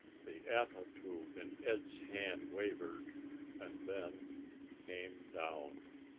The ato tube in Ed's hand wavered and then came down.